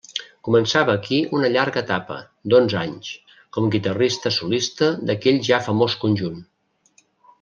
Començava aquí una llarga etapa, d'onze anys, com guitarra solista d'aquell ja famós conjunt.